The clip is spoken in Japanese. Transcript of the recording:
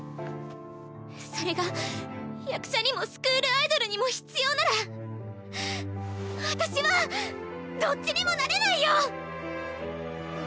それが役者にもスクールアイドルにも必要なら私はどっちにもなれないよ！